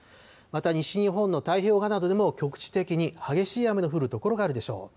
また西日本の太平洋側などでも局地的に激しい雨の降る所があるでしょう。